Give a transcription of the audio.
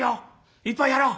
一杯やろう。